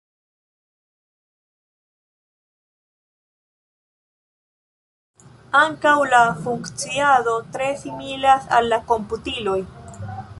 Ankaŭ la funkciado tre similas al la komputiloj.